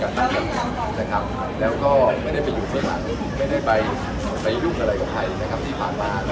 เรื่องการเมืองเป็นเรื่องที่ใกล้ตัวกับพวกเรา